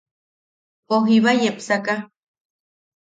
Pos jiba yepsaka.